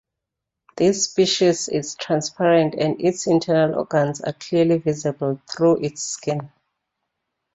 This species is transparent and its internal organs are clearly visible through its skin.